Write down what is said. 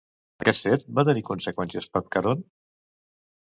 Aquest fet va tenir conseqüències per Caront?